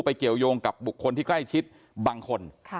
เกี่ยวยงกับบุคคลที่ใกล้ชิดบางคน